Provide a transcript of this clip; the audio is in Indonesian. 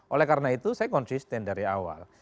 oleh karena itu saya konsisten dari awal